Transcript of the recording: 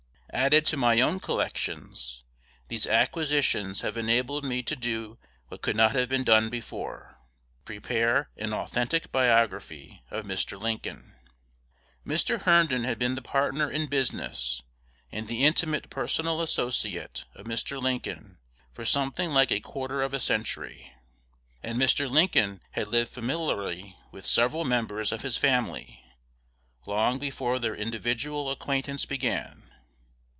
Added to my own collections, these acquisitions have enabled me to do what could not have been done before, prepare an authentic biography of Mr. Lincoln. Mr. Herndon had been the partner in business and the intimate personal associate of Mr. Lincoln for something like a quarter of a century; and Mr. Lincoln had lived familiarly with several members of his family long before their individual acquaintance began.